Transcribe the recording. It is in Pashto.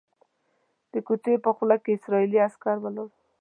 د کوڅې په خوله کې اسرائیلي عسکر ولاړ وو.